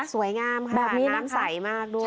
สวยงามค่ะน้ำใสมากด้วย